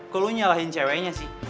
kok lu nyalahin ceweknya sih